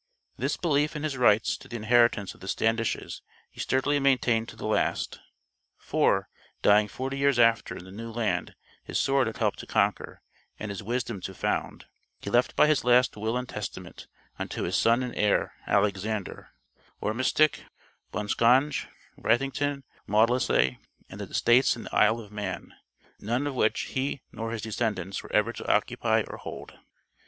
This belief in his rights to the inheritance of the Standishes he sturdily maintained to the last; for, dying forty years after in the new land his sword had helped to conquer and his wisdom to found, he left by his last will and testament unto his son and heir, Alexander: "Ormistic, Bonsconge, Wrightington, Maudeslay, and the estates in the Isle of Man" none of which he nor his descendants were ever to occupy or hold.